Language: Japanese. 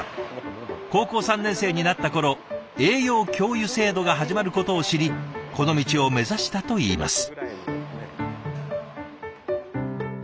高校３年生になった頃栄養教諭制度が始まることを知りこの道を目指したといいます。